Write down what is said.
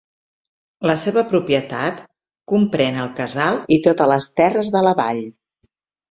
La seva propietat comprèn el casal i totes les terres de la vall.